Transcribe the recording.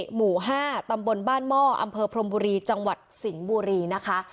หมู่๕ตำบลบ้านหม้ออำเภอพรมบุรีจังหวัดสิงห์บุรีนะคะ